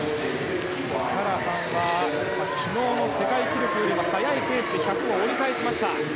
オキャラハンは昨日の世界記録よりも速いペースで１００を折り返しました。